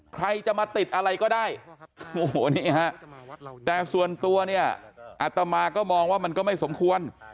ใครจะมาติดอะไรก็ได้โอ้โหนี่ฮะแต่ส่วนตัวเนี่ยอัตมาก็มองว่ามันก็ไม่สมควร